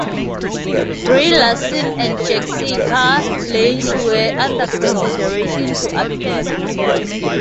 Brie Larson and Jessica Lange were under consideration to appear.